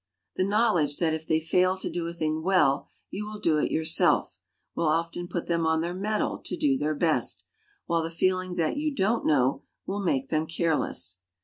The knowledge that if they fail to do a thing well you will do it yourself, will often put them on their mettle to do their best; while the feeling that you don't know, will make them careless.